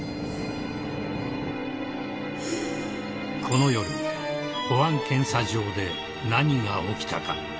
［この夜保安検査場で何が起きたか］